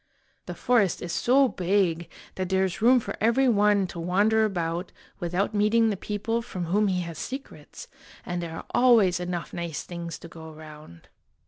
The forest is so big that there is room for every one to wander about without meeting the people from whom he has secrets, and there are always enough nice things to go around.